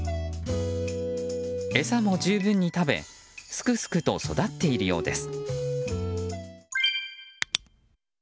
餌も十分に食べすくすくと育っているようです。